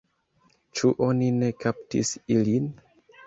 Ĉu oni ne kaptis ilin?